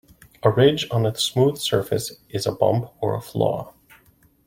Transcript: A ridge on a smooth surface is a bump or flaw.